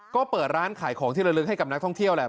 ก็เปิดร้านขายของที่ระลึกให้กับนักท่องเที่ยวแหละ